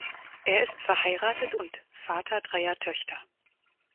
Er ist verheiratet und Vater dreier Töchter.